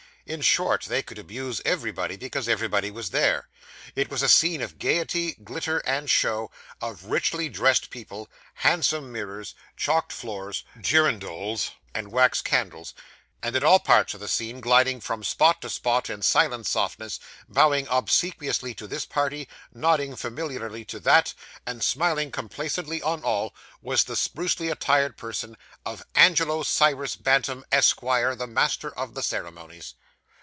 In short, they could abuse everybody, because everybody was there. It was a scene of gaiety, glitter, and show; of richly dressed people, handsome mirrors, chalked floors, girandoles and wax candles; and in all parts of the scene, gliding from spot to spot in silent softness, bowing obsequiously to this party, nodding familiarly to that, and smiling complacently on all, was the sprucely attired person of Angelo Cyrus Bantam, Esquire, the Master of the Ceremonies.